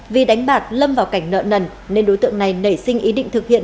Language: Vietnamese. vì đánh bạc lâm vào cảnh nợ nần nên đối tượng này nảy sinh ý định thực hiện